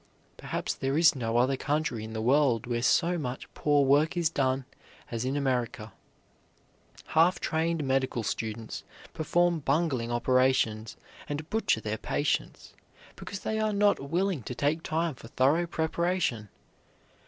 Perhaps there is no other country in the world where so much poor work is done as in America. Half trained medical students perform bungling operations, and butcher their patients, because they are not willing to take time for thorough preparation.